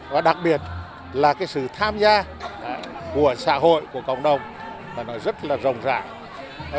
và đặc biệt là sự tham gia của xã hội của cộng đồng rất là rộng rãi